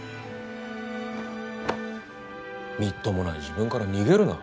みっともない自分から逃げるな。